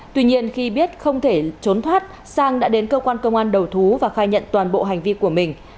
tuy nhiên khi biết không thể trốn thoát sang đã đến cơ quan công an đầu thú và khai nhận toàn bộ hành vi của mình